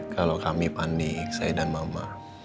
kalau kami panik saya dan mama